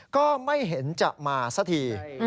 ก็ไม่เห็นจะมาสักที